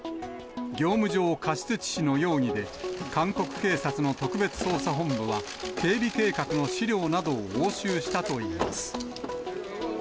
業務上過失致死の容疑で、韓国警察の特別捜査本部は、警備計画の資料などを押収したといいます。